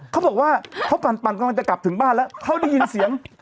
เขาบอกว่ากำลังจะกลับหลบถึงบ้านแล้วเขาได้ยินเสียง